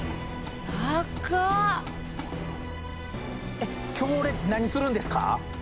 えっ今日俺何するんですか？